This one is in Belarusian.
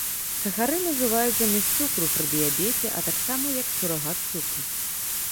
Сахарын ужываюць замест цукру пры дыябеце, а таксама як сурагат цукру.